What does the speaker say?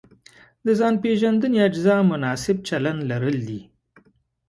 د ځان پېژندنې اجزا مناسب چلند لرل دي.